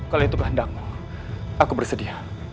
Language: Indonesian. kalau itu kehendakmu aku bersedia